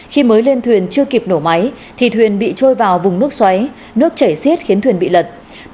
khi mới lên thuyền chưa kịp nổ máy thì thuyền bị trôi vào vùng nước xoáy nước chảy xiết khiến thuyền bị lật